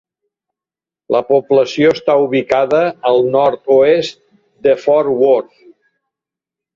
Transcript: La població està ubicada al nord-oest de Fort Worth.